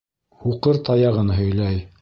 Һуҡыр таяғын һөйләй